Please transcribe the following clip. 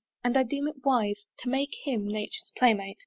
And I deem it wise To make him Nature's playmate.